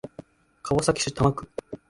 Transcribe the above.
川崎市多摩区